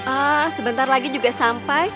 ah sebentar lagi juga sampai